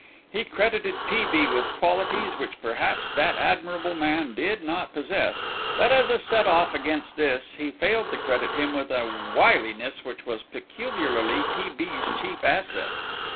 He credited T. B. with qualities which perhaps that admirable man did not possess, but, as a set off against this, he failed to credit him with a wiliness which was peculiarly T. B.'s chief asset.